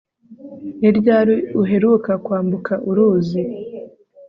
Ni ryari uheruka kwambuka uruzi